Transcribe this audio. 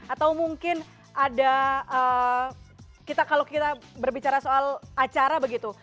atau mungkin ada kalau kita berbicara soal acara begitu